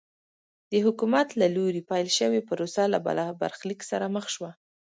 د حکومت له لوري پیل شوې پروسه له برخلیک سره مخ شوه.